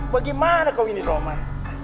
bagaimana kau ini roman